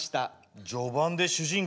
序盤で主人公